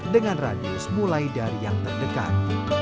dengan radius mulai dari yang terdekat